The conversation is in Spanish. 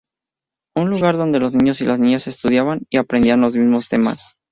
Un lugar donde los niños y las niñas estudiaban y aprendían los mismos temas.